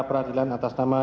peradilan atas nama